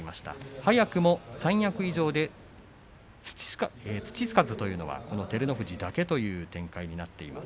早くも三役以上で土つかずというのはこの照ノ富士だけという展開になっています。